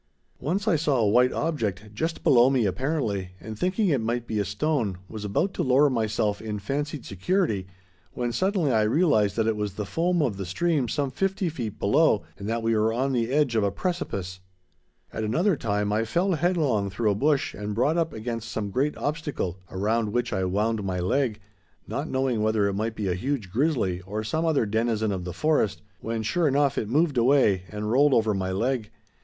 Once I saw a white object, just below me apparently, and thinking it might be a stone, was about to lower myself in fancied security when suddenly I realized that it was the foam of the stream some fifty feet below, and that we were on the edge of a precipice! At another time I fell headlong through a bush and brought up against some great obstacle around which I wound my leg, not knowing whether it might be a huge grizzly or some other denizen of the forest, when sure enough it moved away, and rolled over my leg.